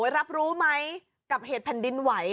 รับรู้ไหมกับเหตุแผ่นดินไหว